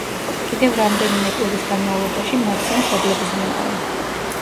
კიდევ რამდენიმე კვირის განმავლობაში მათზე მშობლები ზრუნავენ.